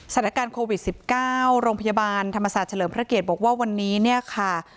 สถานการณ์โควิด๑๙โรงพยาบาลธรรมศาสตร์เฉลิมพระเกตบอกว่าวันนี้เนี่ยค่ะ